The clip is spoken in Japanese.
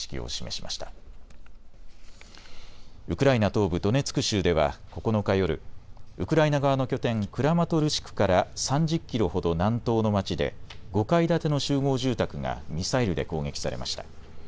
東部ドネツク州では９日夜、ウクライナ側の拠点クラマトルシクから３０キロほど南東の町で５階建ての集合住宅がミサイルで攻撃されました。